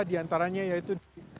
di antaranya yaitu